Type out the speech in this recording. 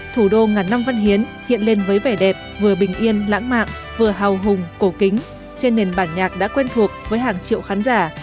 thủ đô ngàn năm văn hiến hiện lên với vẻ đẹp vừa bình yên lãng mạn vừa hào hùng cổ kính trên nền bản nhạc đã quen thuộc với hàng triệu khán giả